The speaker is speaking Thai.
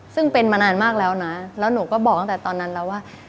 ซึ่งเป็นมานานมากแล้วนะแล้วหนูก็บอกตั้งแต่ตอนนั้นแล้วว่า